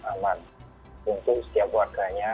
aman untuk setiap warganya